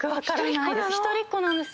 一人っ子で。